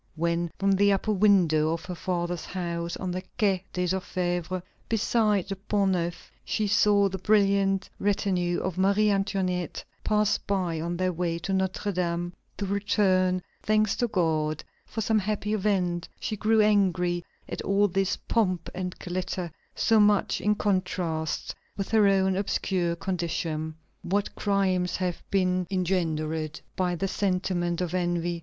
When, from the upper window of her father's house on the Quai des Orfèvres, beside the Pont Neuf, she saw the brilliant retinue of Marie Antoinette pass by on their way to Notre Dame to return thanks to God for some happy event, she grew angry at all this pomp and glitter, so much in contrast with her own obscure condition. What crimes have been engendered by the sentiment of envy!